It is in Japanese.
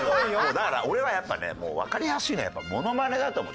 だから俺はやっぱねもうわかりやすいのはモノマネだと思う。